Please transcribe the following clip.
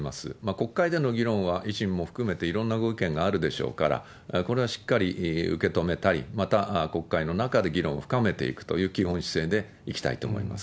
国会での議論は維新も含めていろんなご意見があるでしょうから、これはしっかり受け止めたり、また国会の中で議論を深めていくという基本姿勢でいきたいと思います。